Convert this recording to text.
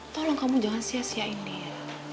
tolong kamu jangan sia siain dia